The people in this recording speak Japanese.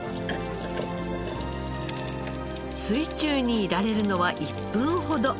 水中にいられるのは１分ほど。